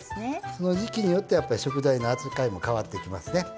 その時期によってやっぱり食材の扱いも変わっていきますね。